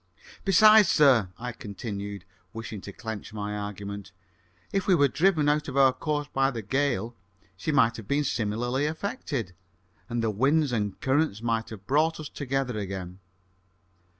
"Besides, sir," I continued, wishing to clench my argument, "if we were driven out of our course by the gale, she might have been similarly affected, and the winds and currents might have brought us together again."